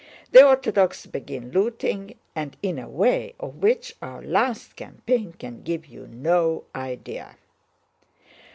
The Orthodox begin looting, and in a way of which our last campaign can give you no idea.